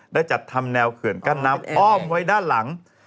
ได้จัดทำแนวเขื่อนกั้นน้ำอ้อมไว้ด้านหลัง